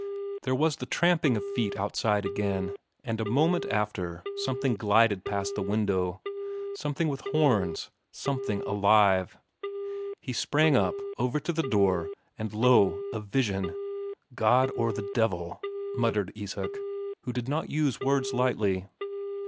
There was the tramping of feet again outside, and a moment after something gliding past the window; something with horns, something alive. He sprang up, over to the door, and lo, a vision! "God or the devil," muttered Isak, who did not use words lightly.